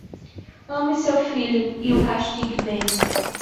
Ame seu filho e o castigue bem.